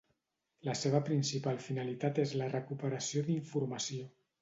La seva principal finalitat és la recuperació d'informació.